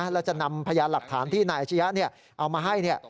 แล้วจะนำพยานหลักฐานที่นายอาชียะเอามาให้